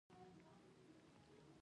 دښته د شګو مینه ده.